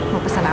mau pesen apa